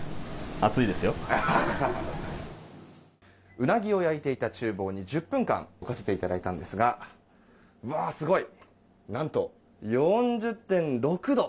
ウナギを焼いていた厨房に１０分間置かせていただいたんですがうわあ、すごい！何と、４０．６度。